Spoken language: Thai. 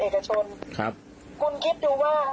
เหมือนจะว่าเขาบอกว่าเขาก็ไม่ยอมรับเวลา